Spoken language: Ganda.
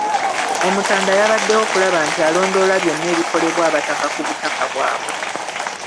Omutanda yabaddewo okulaba nti alondoola byonna ebikolebwa abataka ku butaka bwabwe.